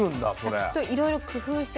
きっといろいろ工夫して。